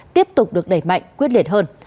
tiếp tục được đẩy mạnh quyết liệt hơn